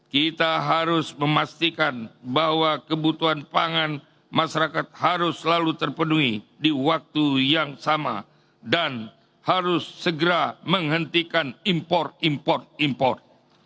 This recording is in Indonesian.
kita harus memastikan bahwa kebutuhan pangan masyarakat harus selalu terpenuhi di waktu yang sama dan harus segera menghentikan impor impor